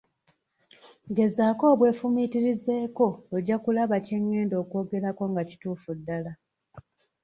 Gezaako obwefumiitirizeeko ojja kulaba kye ngenda okwogerako nga kituufu ddala.